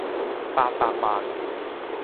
八百萬